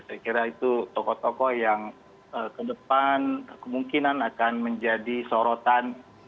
saya kira itu tokoh tokoh yang ke depan kemungkinan akan menjadi sorotan